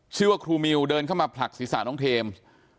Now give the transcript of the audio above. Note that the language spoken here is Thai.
ชื่อว่าครูมิวเดินเข้ามาผลักศีรษะน้องเทม